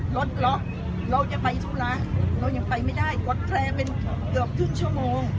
รถหรอเราจะไปทุราเรายังไปไม่ได้กดแพร่เป็นเกือบชั่วโมง